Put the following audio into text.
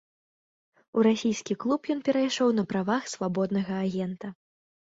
У расійскі клуб ён перайшоў на правах свабоднага агента.